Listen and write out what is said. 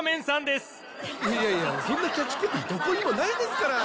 いやいやそんなキャッチコピーどこにもないですから。